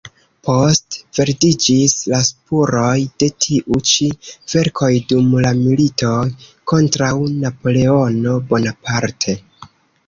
Poste perdiĝis la spuroj de tiu ĉi verkoj dum la militoj kontraŭ Napoleono Bonaparte.